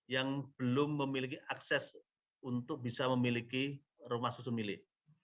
yang belum memiliki akses untuk bisa memiliki rumah susun milik